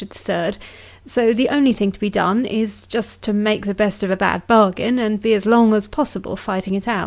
a,rd the Third, so the only thing to be done, is, just to make the best of a bad bargain, and be as long as possible fighting it out.